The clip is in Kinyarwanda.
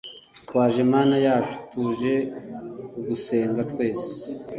r/twaje mana yacu, tuje kugusenga (twese)